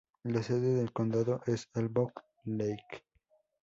La sede de condado es Elbow Lake.